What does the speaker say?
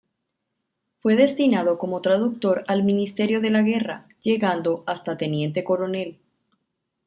Fue destinado como traductor al Ministerio de la Guerra, llegando hasta teniente coronel.